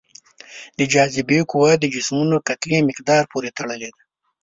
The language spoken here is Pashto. د جاذبې قوه د جسمونو کتلې مقدار پورې تړلې ده.